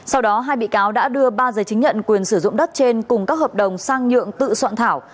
sau đó hai bị cáo đã đưa ba giấy chứng nhận quyền sử dụng đất trên cùng các hợp đồng sang nhượng tự soạn thảo